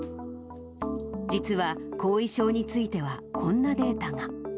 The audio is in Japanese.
実は後遺症については、こんなデータが。